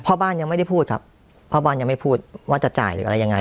พ่อบ้านยังไม่ได้พูดครับพ่อบ้านยังไม่พูดว่าจะจ่ายหรืออะไรยังไง